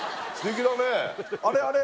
あれあれ？